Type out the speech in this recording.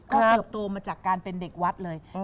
เขาเกือบโตมาจากเป็นเด็กวัดเลย